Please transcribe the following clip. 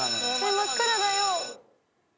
真っ暗だよ。